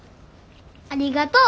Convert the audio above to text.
ありがとう！